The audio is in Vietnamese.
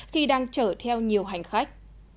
khi đang chở theo nhiều hành khách